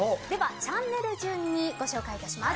チャンネル順に、ご紹介します。